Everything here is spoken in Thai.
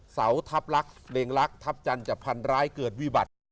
เสาทับลักษณ์เหล็งลักษณ์ทับจันทร์จับพันธุ์ร้ายเกิดวิบัติ